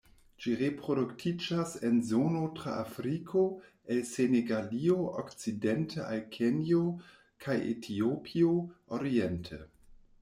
Ĝi reproduktiĝas en zono tra Afriko el Senegalio okcidente al Kenjo kaj Etiopio oriente.